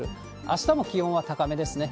あしたも気温は高めですね。